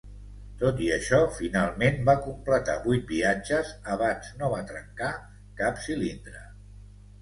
Tot i això, finalment va completar vuit viatges abans no va trencar cap cilindre.